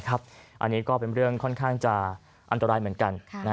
อันนี้ก็เป็นเรื่องค่อนข้างจะอันตรายเหมือนกัน